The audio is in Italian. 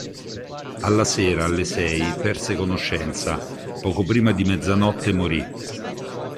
Alla sera, alle sei, perse conoscenza, poco prima di mezzanotte morì.